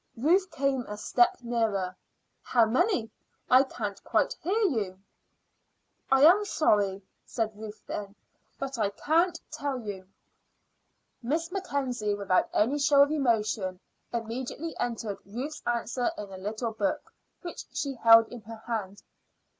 Ruth came a step nearer. "How many? I can't quite hear you." "I am sorry," said Ruth then, "but I can't tell you." Miss Mackenzie, without any show of emotion, immediately entered Ruth's answer in a little book which she held in her hand.